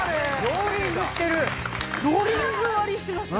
ローリング割りしてましたね。